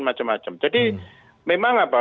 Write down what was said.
macam macam jadi memang apa